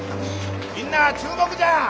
みんな注目じゃ！